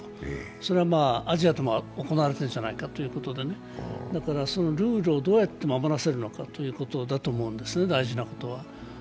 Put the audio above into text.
それはアジアでも行われてるんじゃないかということで、ルールをどうやって守らせるかということだと思うんです、大事なことは。